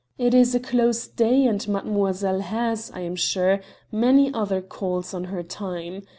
It is a close day and mademoiselle has, I am sure, many other calls on her time.